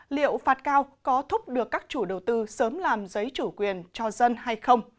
liệu phạt cao có thúc được các chủ đầu tư sớm làm giấy chủ quyền cho dân hay không